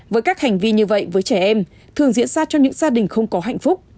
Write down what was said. với các hành vi như vậy với trẻ em thường diễn ra cho những gia đình không có hạnh phúc